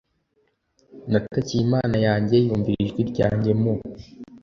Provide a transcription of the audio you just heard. natakiye Imana yanjye Yumvira ijwi ryanjye mu